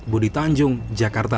budi tanjung jakarta